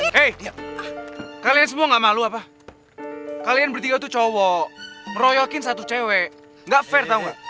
hei dia kalian semua gak malu apa kalian bertiga itu cowok meroyokin satu cewek gak fair tau gak